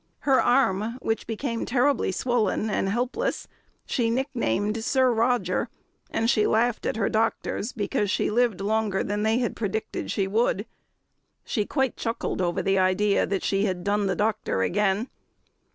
Her arm, which became terribly swollen and helpless, she nicknamed "Sir Roger," and she laughed at her doctors because she lived longer than they had predicted she would. She quite chuckled over the idea that she had "done the doctor again."